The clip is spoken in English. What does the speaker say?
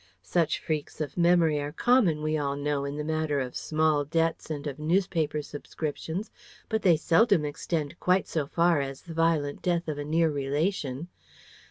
Such freaks of memory are common, we all know, in the matter of small debts and of newspaper subscriptions, but they seldom extend quite so far as the violent death of a near relation.